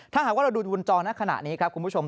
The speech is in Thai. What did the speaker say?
ถ้าหากว่าเราดูบนจอในขณะนี้ครับคุณผู้ชม